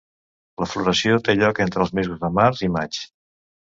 La floració té lloc entre els mesos de març i maig.